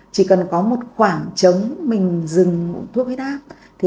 chỉ cần có một khoảng trống mình dừng thuốc huyết áp